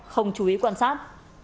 không chú ý quan sát